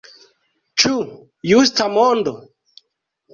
Ĉu justa mondo?